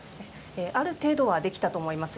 ある程度はできたと思います。